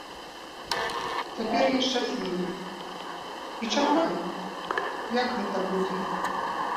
Цяпер я шчаслівы і чакаю, як гэта будзе.